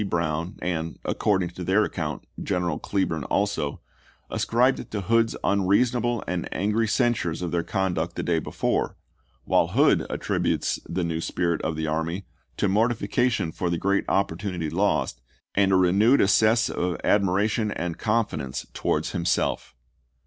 Brown, and, according to their account, General Cleburne also, ascribed it to Hood's unreasonable and angry censures of their conduct the day before, while Hood attributes the new spirit of the army to mortification for the great opportunity lost and a renewed access of admiration and confidence to wards himself.